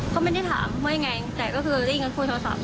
เขาไม่ได้ถามว่าไงแต่ก็คือได้ยินกันพูดโทรศัพท์